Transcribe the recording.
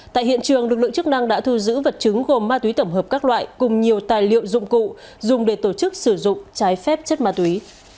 tại hiện trường lực lượng chức năng đã thu giữ vật chứng gồm ma túy tổng hợp các loại cùng nhiều tài liệu dụng cụ dùng để tổ chức sử dụng trái phép chất ma túy